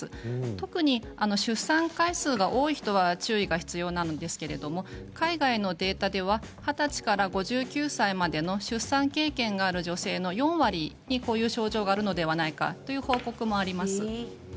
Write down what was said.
特に出産回数が多い人は注意が必要なんですけれども海外のデータでは二十歳から５９歳までの出産経験がある女性の４割にこういう症状があるのではないかという報告もあります。